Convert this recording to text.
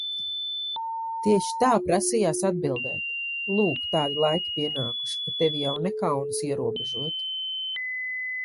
Tieši tā prasījās atbildēt. Lūk tādi laiki pienākuši, ka tevi jau nekaunas ierobežot.